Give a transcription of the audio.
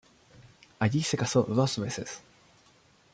Allí se casó dos veces.